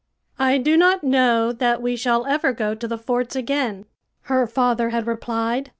"I do not know that we shall ever go to the forts again," her father had replied.